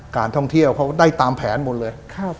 การท่องเที่ยวเขาได้ตามแผนหมดเลย